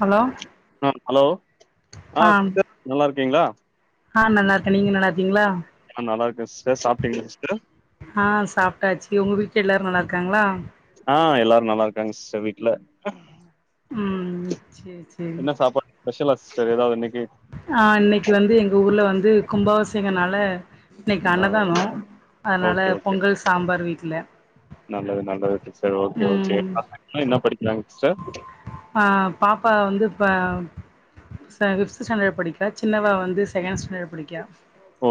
Hello ஆ hello ஆ [inaudible] ஸிட் நல்லா இருக்கீங்களா ஆ நல்லாருக்க நீங்க நல்லாருக்கீங்களா ஆ நல்லா இருக்கேன் சிஸ்டர் சாப்ட்டீங்களா சிஸ்டர் ஆ சாப்டாச்சு ஒங்க வீட்ல எல்லாரு நல்லா இருக்காங்ளா ஆ எல்லாரு நல்லா இருக்காங்க சிஸ்டர் வீட்ல ம் சேர் சேர் என்ன சாப்பா ஸ்பெஷலா சிஸ்டர் எதாவது இன்னைக்கு ஆ இன்னைக்கு வந்து எங்க ஊர்ல வந்து கும்பாவசியங்கனால இன்னைக்கு ஆ அன்னதானோ அதனால ஓகே ஓகே பொங்கல் சாம்பார் வீட்ல நல்லது நல்லது சிஸ்டர் ஓகே ஓகே ம் பசங்களா என்ன படிக்கிறாங்க சிஸ்டர் ஆ பாப்பா வந்து இப்ப ச ஃபிஃப்த் ஸ்டாண்டர் படிக்றா சின்னவ வந்து செகண்ட் ஸ்டாண்டர் படிக்கா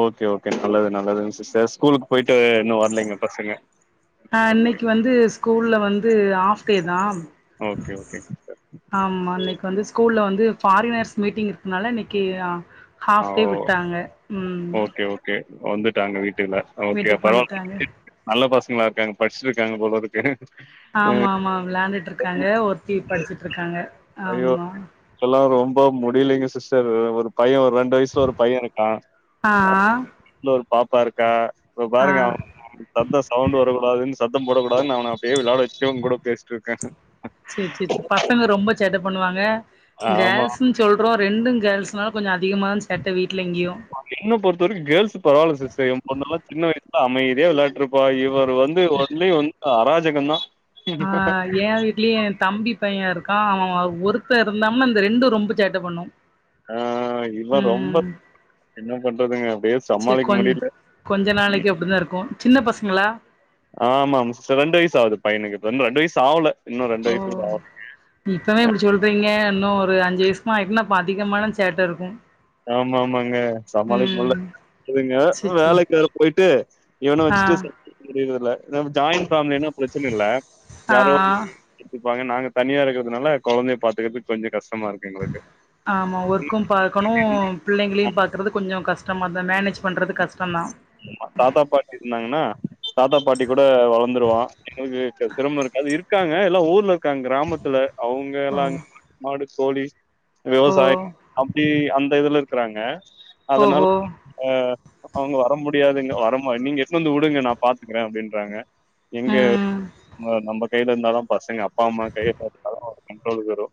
ஓகே ஓகே நல்லது நல்லது சிஸ்டர் ஸ்கூலுக்கு போய்ட்டு இன்னு வரலைங்க பசங்க அ ஓகே இன்னைக்கு வந்து ஸ்கூல்ல வந்து ஆஃப்டே தா ஓகே ஓகே சிஸ்டர் ஆமா இன்னைக்கு வந்து ஸ்கூல்ல வந்து ஃபாரினர்ஸ் மீட்டிங் இருக்குனால இன்னைக்கு ஆ ஹாஃப் டே ஓ விட்டாங்க ம் ஓகே ஓகே வந்துட்டாங்க வீட்டுகுள்ள ஓகே வீட்டுக்கு பரவா [inaudible] வந்துட்டாங்க நல்ல பசங்களா இருக்காங்க ஃபஸ்ட்டுருக்காங்க போல இருக்கு ஆமா ஆமா விளாண்டுட்டு இருக்காங்க ஒருத்தி படிச்சுட்ருக்காங்க ஆமா இப்பலா ரொம்ப முடியலங்க சிஸ்டர் ஒரு பைய ரெண்டு வயசுல ஒரு பையருக்கா ஆஆ இன்னொரு பாப்பா இருக்கா இப்ப பாருங்க [inaudible] சத்தோ சவுண்ட் வரக்கூடாது சத்தம் போடக்கூடாதுனு அவன அப்டியே விளாட வச்சுட்டே உங்ககூட பேசிட்ருக்க செர் செர் செரி பசங்க ரொம்ப சேட்ட பண்ணுவாங்க ஆமா கேர்ள்ஸு சொல்றோ ரெண்டு கேர்ள்ஸ்னால கொஞ்சோ அதிகமாக தா சேட்ட வீட்ல இங்யு என்ன பொறுத்த வரைக்கு கேர்ள்ஸ் பரவால சிஸ்டர் எ பொண்ணல்லா சின்ன வயசுல அமைதியா விளாட்டுருப் இப்ப இவர் வந்து ஒன்லி வந்து அராஜகந்தா ஆ ஏ வீ ட்லயு எ தம்பி பைய இருக்கா அவ ஒருத்த இருந்தாம்னா இந்த ரெண்டு ரொம்ப சேட்ட பண்ணு ஆ இவ ரொம்ப ம் என்ன பண்றதுங்க அப்டியே சேரி சமாளிக்க கொஞ் முடியல கொஞ்ச ம். நாளைக்கு அப்டிதா இருக்கு சின்ன பசங்களா ஆமா மிஸ்டர் ரெண்டு வயசு ஆவுது பையனுக்கு இன்னு ரெண்டு வயசு ஆவல இன்னு ரெண்டு ஓ வயசு கூட ஆகல. இப்பவே இப்டி சொல் றீங்க இன்னு ஒரு அஞ்சு வயஷ்மா ஆயிட்ன்னா அப்ப அதிகமான சேட்டருக்கு ஆமா ஆமாங்க சமாளிக் முல்ல ங்க சேர் சேர் வேலைக்கு வேற போயிட்டு இவன ஆ வச்சுட்டு புரியுறதுல்ல நம் ஜாயிண்ட் ஃபேமிலின்னா பிரச்சன இல்ல ஆ யாரோ ஒன்னு எத்துப்பாங்க நாங்க தனியா இருக்கறதுனால கொழந்தைய பாத்துக்குறதுக்கு கொஞ்சோ கஷ்டமா இருக்கு எங்களுக்கு ஆமா ஒர்க்கும் பாக்கணு பிள்ளைங்களையு பாக்கறது கொஞ்சோ கஷ்டமா தா மேனேஜ் பண்றது கஷ்டந்தா ஆமா தாத்தா பாட்டி இருந்தாங்கன்னா தாத்தா பாட்டி கூட வளந்துருவா எங்களுக்கு சிரமம் இருக்காது இருக்காங்க எல்லா ஊர்ல இருக்காங்க கிராமத்துல அவுங்க ஓ எல்லாரு மாடு கோழி ஓ விவசாயம் அப்டி அந்த இதுல இருக் குறாங்க அதனால ஓஹோ ஆ அவுங்களா வர முடியாதுங்க வரமா நீங்க எத்துனு வந்து விடுங்க நா பாத்துக்கற அப்டின்றாங்க எங்க ம் ஆ நம்ப கையில இருந்தா தா பசங்க அப்பா அம்மா கைய பாத்தா தா கண்ட்ரோலுக்கு வரு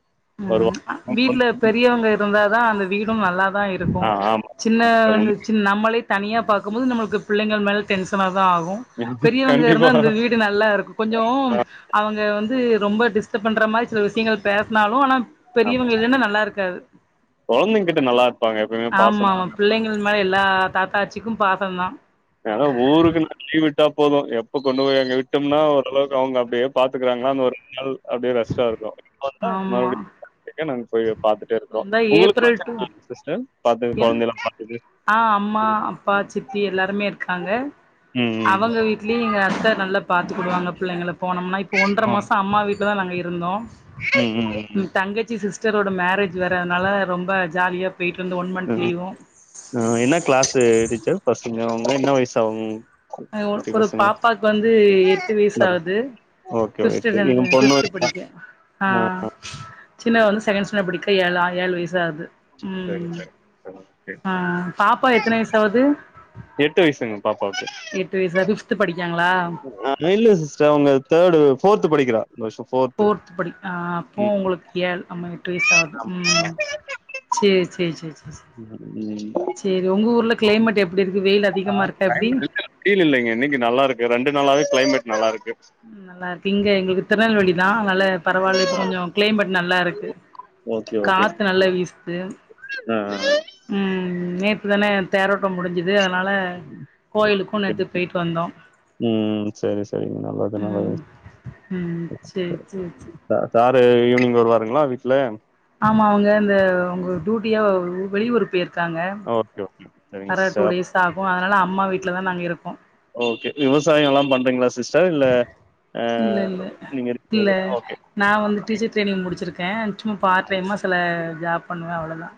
ம் ஆ வருவா வீட்ல பெரியவங்க இருந்தாதா அந்த வீடும் நல்லா தா இருக்கு ஆ ஆமா சின்ன வந்து சின் நம்மளே தனியா பாக்கும்போது நம்மளுக்கு பிள்ளைகள் மேல டென்ஷனா தா ஆகு பெரியவங்க கண்டிப்பா இருந்தா அந்த வீட் இது நல்லாருக்கு கொஞ்சோ அவுங்க வந்து ரொம்ப டிஸ்டர்ப் பண்ற மாரி சில விஷயங்கள் பே பேச சுனாலு ஆனா பெரியவங்க இல்லனா நல்லாருக்காது கொழந்தைங்கக்கிட்ட நல்லா இருப்பாங்க எப்பவுமே பாசமா புள்ளைங்கள் மேல எல்லா தாத்தா ஆச்சிக்கும் பாசந்தா ஏதோ ஊருக்குன் லீவ் விட்டா போது எப்ப கொண்டு போய் அங்க விட்டோம்னா ஓரளவுக்கு அவுங்க அப்டியே பாத்துக்கறாங்களா அந்த ஒரு நாள் அப்டியே ரஷ்ஷா இருக்கு ஆமா [unintelligible] நாங்க போய் பாத்துட்டே இருக்கோ இந்த உங்களுக்கு ஏப்ரல் டூ [inaudible] பாத்துக்க என் கொழந்தைகள பாத்துக்கறது ஆ அம்மா அப்பா சித்தி எல்லாருமே இருக்காங்க ம். ம். அவங்க வீ ட்லியு எங்க அத்த நல்லா பாத்துக்குடுவாங்க பிள்ளைங்கள போனோம்னா இப்போ ஒன்ற மாச அம்மா வீட்லதா நாங்க இருந்தோ ம் ம் ம் ம் தங்கச்சி சிஸ்டரோட மேரேஜ் வேற அதுனால ரொம்ப ஜாலியா போயிட்டு இந்த ஒன் மந்த் லீவு ம் என்ன கிளாஸு டீச்சர் பசங்க அவுங்க என்ன வயசு ஆவு ஆ ஒரு பாப்பாக்கு வந்து எட்டு வயசு சின்னதா? ஆகுது ஓகே ஃபிஃப்த்து ஓகே. என் ஸ்டாண்டர்ட் பொண்ணு ஃபிஃப்த்து படிக்க ஆ சின்னவ வந்து செகண்ட் ஸ்டாண்டர்ட் படிக்க ஏழா ஏழு வயசு ஆகுது சரி ம் சரி. ஓகே. ஆ பாப்பா எத்தன வயசு ஆவுது எட்டு வயசுங்க பாப்பாவுக்கு எட்டு் வயசா ஃபிஃப்த்து படிக்காங்களா இல்ல சிஸ்டர் அவுங்க தேர்டு ஃபோர்த்து படிக்கிறா இந்த வருஷ ஃபோர்த் ஃபோர்த்து படி ஆ அப்போ உங்களுக்கு ஏல் ஆமா எட்டு வயசு ஆவுது ம் சேர் சேரி சேரி சேரி சேரி ம் சேரி உங்க ஊர்ல கிளைமேட் எப்டி இருக்கு வெயிலா ஆ கிளைமேட் வெயில் இல்லங்க இன்னைக்கு நல்லாருக்கு ரெண்டு நாளாவே கிளைமேட் நல்லாருக்கு நல்லாருக்கு இங்க எங்களுக்கு திருநெல்வேலி தா அதனால பரவால்ல இப்ப கொஞ்ச கிளைமேட் நல்லாருக்கு ஓகே ஓகே காத்து நல்லா வீசுது ஆ ம் நேத்து தானே தேரோட்டோ முடிஞ்சு து அதனால கோயிலுக்கு ஓகே நேத்து ஓகே போயிட்டு வந்தோ ம் செரி செரிங்க நல்லது நல்லது ம் ம் சேரி சேரி ச சாரு ஈவினிங் வருவாருங்களா வீட்ல ஆமா அவுங்க இந்த உங்க டியூட்டியா வெளியூரு போயிருக் காங்க ஓகே ஓகே சரிங்க வர டூ சிஸ்டர் டேஸ் ஆகு அதனால அம்மா வீட்ல தா நாங்க இருக்கோ ஓகே விவசாயல்லா பண்றீங்களா சிஸ்டர் இல்ல ஆ இல்ல இல்ல நீங்க இல்ல இருக்கிறது ஓகே நா வந்து டீச்சர் ட்ரைனிங் முடிச்சிருக்கே சும்மா பார்ட் டைமா சில ஜாப் பண்ணுவே அவ்ளோதா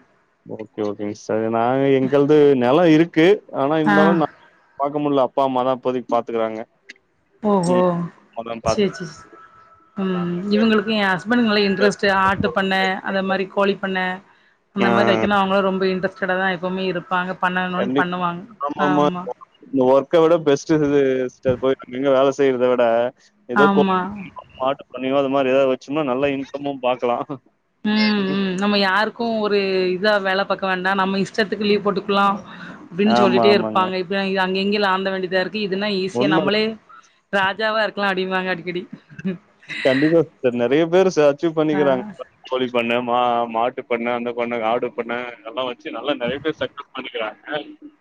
ஓகே ஓகேங்க சிஸ்டர் நாங்க எங்கள்து நெலோ இருக்கு ஆனா ஆ இருந்தாலு நா பாக்க முல்ல அப்பா அம்மாதா இப்பதைக்கு பாத்துக்குறாங்க ஓஹோ சேர் சே சே ஆ ம் இவுங்களுக்கு என் ஹஸ்பண்ட்டுக் நல்ல இன்ட்ரஸ்ட்டு ஆட்டு பண்ண அந்தமாரி கோழி பண்ண அந்தமாரி வைக்கணு அவுங்களு ரொம்ப இன்ரெஸ்ட்டடா தா எப்பவுமே இருப்பாங்க பண்ணனுன் கண்டிப் பண்ணுவாங்க ஆமாமா ஆமா இந்த ஒர்க்க விட பெஸ்ட்டு இது சிஸ்டர் போய் அங்கங்க வேலை செய்றத விட எதோ ஆமா [inaudible] மாட்டு பண்ணையு அது மாரி எதாவது வச்சோம்னா நல்லா இன்கமு பாக்கலா ம் நம்ம யாருக்கு ஒரு இதா வேலை பாக்க வேண்டா நம்ம இஷ்டத்துக்கு லீவ் போட்டுக்கலா அப்டின்னு ஆமா சொல்லிட்டே ஆமாங்க இருப்பாங்க இப்ப அங்க எங்கயல ஆந்த வேண்டியதா இருக்கு இதுன்னா ஈஸியா உண்மதா நம்மளே ராஜாவா இருக்கலா அப்டிம்பாங்க அடிக்கடி கண்டிப்பா சிஸ்டர் நறைய பேரு அச்சிவ் ஆ பண்ணிக்கிறாங்க கோழி பண்ண மா மாட்டு பண்ண அந்த பண்ண ஆடு பண்ண அதெல்லா வச்சு நல்லா நறைய பேர் சக்சஸ் பண்ணிக்கிறாங்க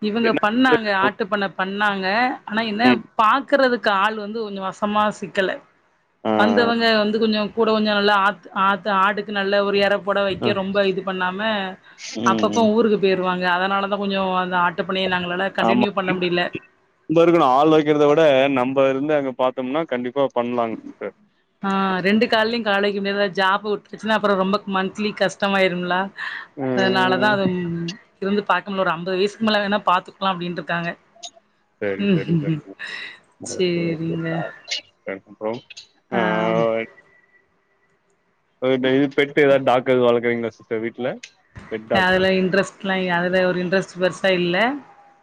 இவுங்க என்ன பண்ணாங்க ஆட்டு பண்ண பண்ணாங்க ஆனா என்ன ம் பாக்குறதுக்கு ஆள் வந்து கொஞ்ச வசமா சிக்கல ஆ வந்தவுங்க வந்து கொஞ்ச கூட கொஞ்ச நல்லா ஆ ஆத்த ஆட்டுக்கு நல்ல ஒரு இற போட வை ஆ க்க ரொம்ப இது பண்ணாம ம் அப்பப்ப ம் ஊருக்கு போயிருவாங்க அதனால தா கொஞ்சோ அந்த ஆட்டுப் பண்ணைய நாங்களால கண்டினியூ பண்ண முடியல நம்ம இருக்கணு ஆள் வைக்கிறத விட நம்ம இருந்து அங்க பாத்தோம்னா கண்டிப்பா பண்ணலாங்க சிஸ்டர் ஆ ரெண்டு கால்லயு கால் வைக்க முடியாதுல ஜாபு விட்டுச்சுன்னா அப்ற ரொம்ப மந்த்லி கஷ்டமாயிரும்லா ம் அதனாலதா அது இருந்து பாக்கமுல ஒரு அம்பது வயசுக்கு மேல வேணா பாத்துக்கலா அப்டின்னு இருக்காங்க செரி செரி ம் செரிங்க ஓகே ஓகே சேரிங்க பாருங்க [unintelligible] ஆ இது பெட்டு எதாது டாக்கு எது வளக்குறீங்களா சிஸ்டர் வீட்ல பெட் டாக். அதுல இன்ட்ரெஸ்ட்லா அதுல ஒரு இன்ட்ரெஸ்ட் பெருசா இல்ல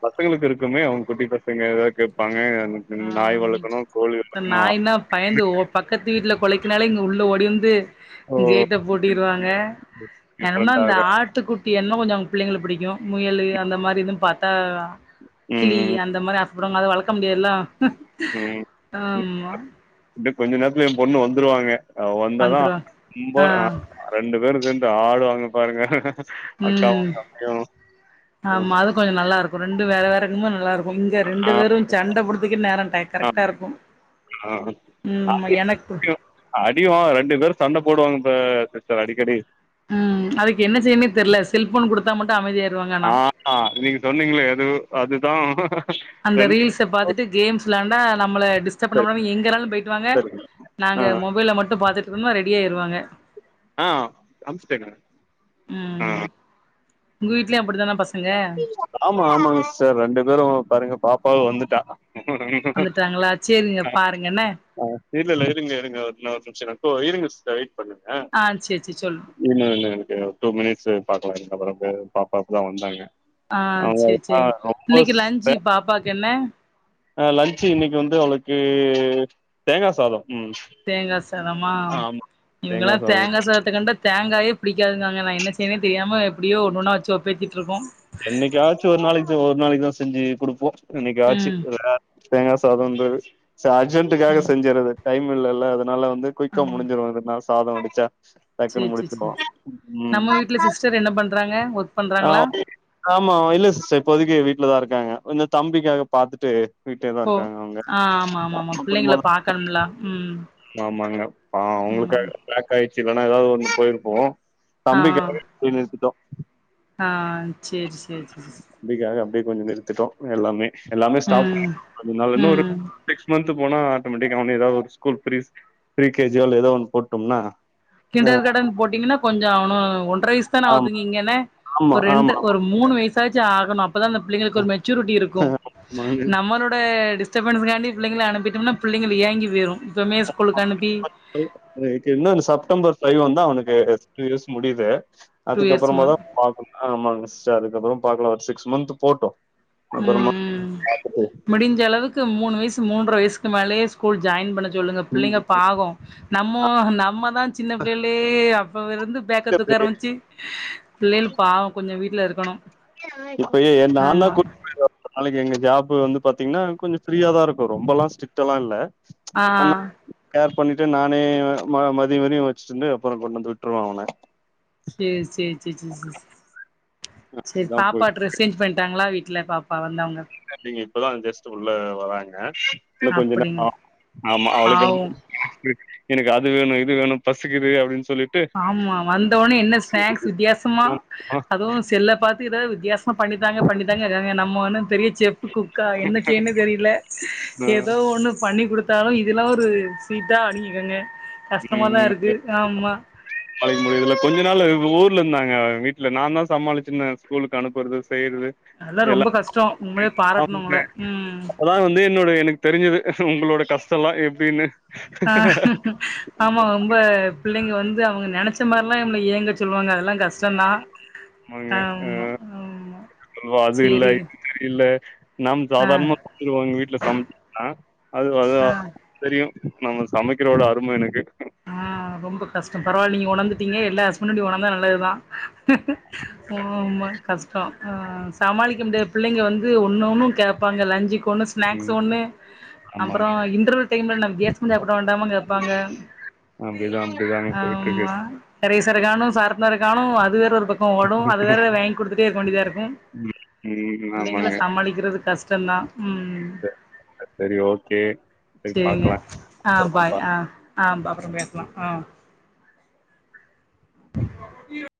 பசங்களுக்கு இருக்குமே அவுங்க குட்டி பசங்க எதாவது கேட்பாங்க எனக்கு நாய் ஆம் வளக்கணு கோழி வளக்கணு நாய்னா பயந்து ஓ பக்கத்து வீட்டில குலைக்கனாலே இங்க உள்ளே ஓடி வந்து அப்போ கேட்ட பூட்டிருவாங்க வேணும்னா டிஃபரெண்ட்டா இந்த இருக்கும். ஆட் ட்டுக்குட்டி என்ன கொஞ்சோ அவங்க பிள்ளைங்களுக்கு பிடிக்கு முயலு அந்த மாரி எதும் பாத்தா கிளி ம், அந்த மாரி ஆசப்படுவாங்க அந்த மாரி வளக்க முடியாதுல ஆமா இந்த கொஞ்ச நேரத்துல என் பொண்ணு வந்துருவாங்க அவ வந்தாதா வந்துருவா ரொம்ப ஆ ரெண்டு பேரும் சேந்து ஆடுவாங்க பாருங்க அக்காவு ம் தம்பியு கொஞ்ச நல்லா இருக்கு ரெண்டு வேற வேறங்கமு நல்லா இருக்கு இங்க ரெண்டு ஆ, பேரு சண்ட போடுத்துக்கே நேரம் ஆ, கரெக்டா இருக்கு ஆ ம்மா எனக்கு அடிவாங் ரெண்டு பேர் சண்ட போடுவாங்க இப்ப சிஸ்டர் அடிக்கடி ம் அதுக்கு என்ன செய்யன்னே தெர்ல செல்போன் குடுத்தா மட்டும் அமைதி ஆயிருவாங்க ஆனா ஆ நீங்க சொன்னீங்களே அது அதுதா அந்த ரெண்டு ரீல்ச கோடி. பார்த்துட்டு கேம்ஸ் வெளயாண்டா நம்மள டிஸ்டர்ப் பண்ணாம சரிங்க எங்க வேணாலும் போயிட்டு வாங்க சரிங்க ஆ நாங்க மொபைல மட்டும் பார்த்துட்டு இருந்தா ரெடி ஆயிருவாங்க ஆ அம்சுட்டேங்க ம் உங்க வீட்லயும் அப்டிதானா பசங்க ஆமா ஆமாங்க சிஸ்டர் ரெண்டு பேரும் பாருங்க பாப்பாவும் வந்துட்டா வந்துட்டாங்களா சேரிங்க பாருங்க என்ன ஆ திருப்பியும் லைன்ல இருங்க எங்க ஒரு நிமிஷம்க இருங்க சிஸ்டர் வெயிட் பண்ணுங்க ஆ சேரி சேரி சொல்லு இன்னு இன்னும் எனக்கு ஒரு டூ மினிட்ஸ் பாக்கலாம் இதுக்கப்புறம் மே பாப்பாவும் இப்ப தான் வந்தாங்க ஆ அவங்க சேரி ஆ சேரி ரொம்ப இன்னைக்கு லஞ்சு பாப்பாக்கு என்ன ஆ லஞ்சு இன்னைக்கு வந்து அவளுக்கு தேங்காய் சாதம் ம் தேங்கா சாதமா ஆமா இவங்கெல்லா சாதோ தேங்கா சாதத்துக்கண்ட தேங்காயே பிடிக்காதுன்றாங்க நான் என்ன செய்யறதுனே தெரியாம எப்டியோ ஒன்னொன்னா வச்சு ஒப்பேத்துட்டு இருக்கோம் என்னைக்கு ஆச்சு ஒரு நாளைக்கு ஒரு நாளைக்குதான் செஞ்சு கொடுப்போம் என்னைக்கு ஆச்சு ம் வேற தேங்காய் சாதம்ன்றது அர்ஜென்ட்ன்காக ம் செஞ்சறது டைம் இல்லல்ல அத னால வந்து குய்க்கா ம் முடிஞ்சிருவதுனால சாதம் வடிச்சா சேரி டக்குன்னு சேரி முடிச்சுப்போம் சேரி ம் நம்ம வீட்ல சிஸ்டர் என்ன பண்றாங்க ஒர்க் ஆ பண்றாங்களா ஆமா இல்ல சிஸ்டர் இப்போதைக்கு வீட்டுலதான் இருக்காங்க கொஞ்சம் தம்பிக்காக பாத்துட்டு வீட்டுலயே தான் ஓ இருக்காங்க அவங்க அப்புறம் மேல தான் எல்லாம் ம் ஆமாங்க பாவம் அவங்களுக்கு ம் லேட் ஆயிடுச்சு இல்லன்னா ஏதாவது ஒண்ணு போயிருப்போம் ஆ தம்பிக்காக இல்ல இருக்கட்டும் ஆ செரி செரி செரி தம்பிக்காக அப்படியே கொஞ்சோம் நிறுத்தட்டோம் எல்லாமே ஸ்டாப் ம் பண்ணிட்டோம் அதனால இன்னும் ஒரு ம் சிக்ஸ் மந்த் விட்டு போனா ஆட்டோமேட்டிக்க அவன வந்து ஏதாவது ஸ்கூல் பிரி கேஜியோ இல்ல ஏதாவது ஒன்னுல போட்டுடோம்னா கிண்டர் காடன் போட்டீங்கன்னா கொஞ்சோம் அவனும் ஒன்றரை வயசு தானே ஆமா ஆகுதுங்க இங்கன்ன ஆமா ஒரு ரெண்டு ஆமா ஒரு மூணு வயசாச்சும் ஆகணும் அப்பதான் அந்த பிள்ளைங்களுக்கு ஒரு மெச்சூரிட்டி இருக்கும் ஆமாங்க நம்மளோட செட் பண்ணனும் காண்டி புள்ளங்களஅனுப்பிட்டோம்னா பிள்ளைங்க ஏங்கி போயிரும் இப்பவே ஸ்கூலுக்கு அனுப்பி இந்த இன்னும் செப்டம்பர் பைவ் வந்தா அவனுக்கு டூ இயர்ஸ் முடியுது டூ இயர்ஸ் அதுக்கப்புறமா ம தான் பாக்கனும் ஆமாங்க சிஸ்டர் அதுக்கப்புறமா பாக்கலாம் ஒரு சிக்ஸ் மந்த்த் போட்டும் ம் அப்புறமா ம் முடிஞ்ச அளவுக்கு மூணு வயசு மூன்ற வயசுக்கு மேலயே ஸ்கூல் ஜாயின் பண்ண சொல்லுங்க பிள்ளைங்க பாவோம் நம்மோ நம்மதான் சின்ன பிள்ளைலயே அப்ப இருந்து பேக்க தூக்க ஆரம்பச்சு பிள்ளைகள் பாவம் கொஞ்சோம் வீட்டுல இருக்கணும் இப்பயே நான் தான் கூட்டி நாளைக்கு எங்க ஜாப்பு வந்து பாத்தீங்கன்னா கொஞ்சோம் ஃப்ரீயா தான் இருக்கும் ரொம்பலாம் ஸ்ட்ரிட்டாலாம் இல்ல ஆ ஆனா கேர் பண்ணிட்டு நானே மதிய மதியம் வச்சுட்டு இருந்து அப்புறோம் கொண்டு வந்து விட்டுருவேன் அவன செரி செரி செரி செரி செரி செரி இதா பாப்பா ட்ர போயிட்டு ட்ரெஸ் சேஞ்சு பண்ணிட்டாங்களா வீட்டுல பாப்பா வந்து அ இன்னும் இல்லைங்க இப்பதான் ஜெஸ்ட் உள்ள வராங்க இன்னும் கொஞ்ச நேரம் அப்டிங்க ஆகும் ஆமா பாவோ அவளுக்கு எனக்கு அது வேணும் இது வேணும் பசிக்குது அப்படின்னு சொல்லி ஆமா வந்தோனே என்ன ஸ்நாக்ஸ் வித்தியாசமா ஆமா அதோ செல்ல பாத்து ஏதாவது வித்தியாசமா பண்ணித்தாங்க பண்ணித்தாங்க நம்ம ஒன்னும் பெரிய செப்பு அக்கா என்ன செய்யன்னு தெரியல ம் ஏதோ ஒண்ணு பண்ணி குடுத்தாலும் இதெல்லா ஒரு ஸ்வீட்டா அப்டிங்கிறாங்க கஷ்டமாதா இருக்கு ஆமா அழைக்க முடியுதுல கொஞ்ச நாள்ல ஊர்லந்தாங்க வீட்ல நந்தா சமாளிச்சிந்த ஸ்கூலுக்கு அனுப்பறது செய்யறது அல்லா எல்லா ரொம்ப கஷ்டோ உண்மலியே பாராட்னு உங்ள ம் தே என்னோட எனகு தெரிஞ்சது உங்களோட கஷ்டோல்லா எப்டின்னு ஆ ஆமா ரொம்ப பிள்ளைங்க வந்து அவுங்க நெனச்ச மார்லா எம்ல ஏங்கச் சொல்வாங்க அதெல்லாங் கஷ் ஆமா மாங்க அ ஆமா சொல்வா அது இல்ல சேரி இது செரி இல்ல நாம் ஆ சாதார்ணமா சொல்லிருவோ இங்க வீட்ல [unintelligible] அது அதுவா ஆ தெரியு நம்ம சமைக்றோட அரும எனக்கு ஆ ரொம்ப கஷ்டம் பரவால் நீங்க ஒணர்ந்துட்டீங்க எல்லா ஹஸ்பண்டு இப்டி ஒணந்தா நல்லதுதா ஓ ஆமா கஷ்டோ ஆ சமாளிக்க முடியாது பிள்ளைங்க வந் து ஒன்ன ஒன்னுங் கேப்பாங்க லஞ்சுக்கு ஒன்னு ஸ்நாக்ஸு ம் ஒன்னு அப்றோ ஆமாங்க இன்ட்ரவெல் டைம்ல [unintelligible] வேண்டாம கேப்பாங்க அப்டிதா அப்டிதாங்க போயிட்ருக்கு அம்மா எரேசரக் கானோ சார்ப்னரக் கானோ அது வேற ஒரு பக் கோ ஓடு அது வேற வேய்ங் குடுத்துட்டே இருக்க வேண்டியதாருக்கு ம் ம் பிள்ளைங்கிள ஆமாங்க சமாளிக்கிறது கஷ்டந்தா ம் சரி ஓகே சரி செரிங்க பாக்கலா ஆம் அப்பறமா பாய் ஆ ஆப் அப்பறோ பேச்லா ஆ [inaudible]